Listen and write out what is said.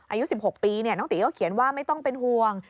อายุ๑๖ปีน้องตีก็เขียนว่าไม่ต้องเป็นห่วง